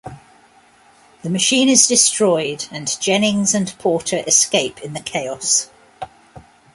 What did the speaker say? The machine is destroyed, and Jennings and Porter escape in the chaos.